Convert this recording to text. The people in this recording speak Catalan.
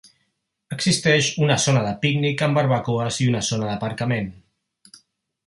Existeix una zona de pícnic amb barbacoes i una zona d'aparcament.